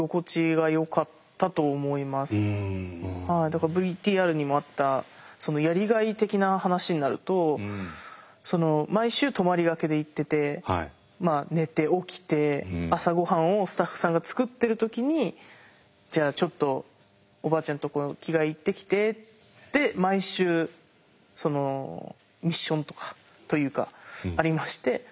だからＶＴＲにもあったそのやりがい的な話になるとその毎週泊まりがけで行ってて寝て起きて朝ごはんをスタッフさんが作ってる時にじゃあちょっとおばあちゃんとこの着替え行ってきてって毎週そのミッションとかというかありまして。